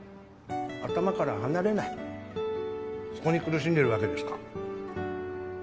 頭から離れないそこに苦しんでるわけですか。